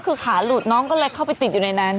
คือขาหลุดน้องก็เลยเข้าไปติดอยู่ในนั้น